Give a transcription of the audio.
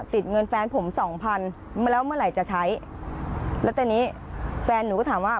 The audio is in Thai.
ติดเงินแฟนผมสองพันแล้วเมื่อไหร่จะใช้แล้วตอนนี้แฟนหนูก็ถามว่า